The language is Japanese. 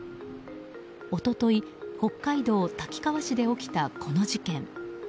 一昨日、北海道滝川市で起きたこの事件。